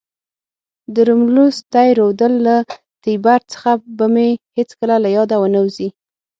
د رومولوس تی رودل له تیبر څخه به مې هیڅکله له یاده ونه وزي.